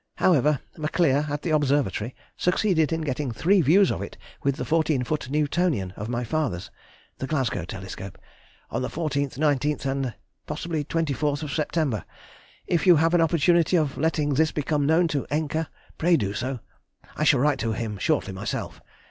However, Maclear, at the Observatory, succeeded in getting three views of it with the fourteen foot Newtonian of my father's (the Glasgow telescope) on the 14th, 19th, and (?) 24th of September. If you have an opportunity of letting this become known to Encke, pray do so—(I shall write to him shortly myself).